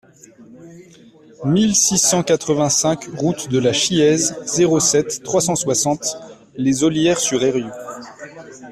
mille six cent quatre-vingt-cinq route de la Chiéze, zéro sept, trois cent soixante, Les Ollières-sur-Eyrieux